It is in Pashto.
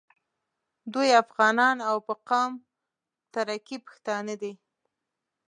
دوی افغانان او په قوم تره کي پښتانه دي.